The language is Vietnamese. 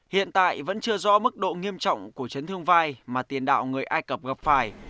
hiện tại vẫn chưa rõ mức độ nghiêm trọng của trấn thương vai mà tiến đạo người egypt gặp phải